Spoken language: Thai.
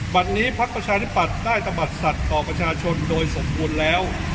บันนี้พรรคประชาธิบัติได้สัตว์ต่อประชาชนโดยสมควรแล้ว